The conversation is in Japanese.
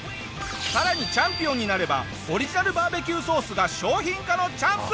さらにチャンピオンになればオリジナルバーベキューソースが商品化のチャンス！